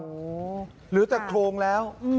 หูหลือแต่โครงแล้ว